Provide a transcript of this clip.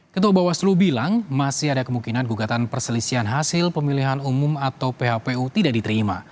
ketua bawaslu bilang masih ada kemungkinan gugatan perselisihan hasil pemilihan umum atau phpu tidak diterima